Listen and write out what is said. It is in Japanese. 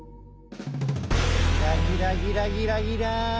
ギラギラギラギラギラン。